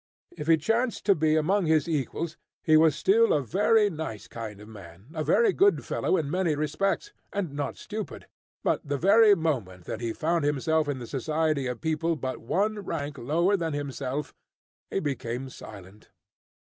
If he chanced to be amongst his equals, he was still a very nice kind of man, a very good fellow in many respects, and not stupid, but the very moment that he found himself in the society of people but one rank lower than himself, he became silent.